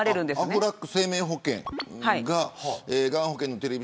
アフラック生命保険ががん保険のテレビ